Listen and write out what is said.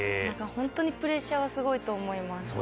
ホントにプレッシャーはすごいと思います。